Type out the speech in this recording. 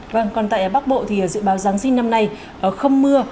vâng còn tại bắc bộ thì dự báo giáng sinh năm nay không mưa